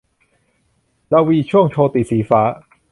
รวีช่วงโชติ - สีฟ้า